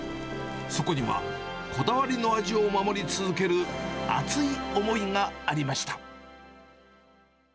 そこには、こだわりの味を守り続ける熱い思いがありました。